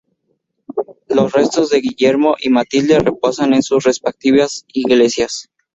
Los restos de Guillermo y Matilde reposan en sus respectivas iglesias.